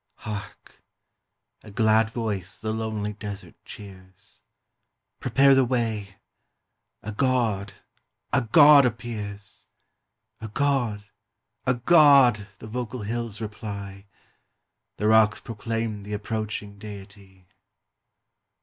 Hark! a glad voice the lonely desert cheers: Prepare the way! a God, a God appears! A God, a God! the vocal hills reply, The rocks proclaim th' approaching Deity.